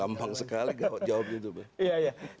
gampang sekali jawabnya tuh bang